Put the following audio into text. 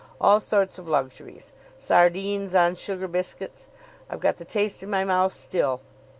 All sorts of luxuries. Sardines on sugar biscuits. I've got the taste in my mouth still.